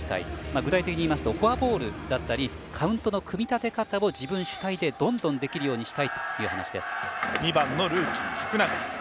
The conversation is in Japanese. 具体的に言いますとフォアボールだったりカウントの組み立て方を自分主体でどんどんできるように２番のルーキー、福永。